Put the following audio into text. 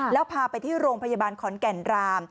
แล้วพาไปที่โรงพยาบาลขอนแก่นราม